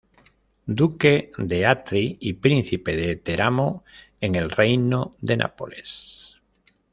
Duque de Atri y príncipe de Teramo, en el reino de Nápoles.